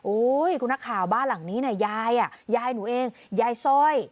โอ๊ยคุณนักข่าวบ้านหลังนี้น่ะยายอ่ะยายหนูเองยายซอย